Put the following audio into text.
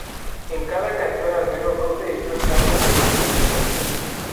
En cada canción al menos dos de ellos cambian de instrumento.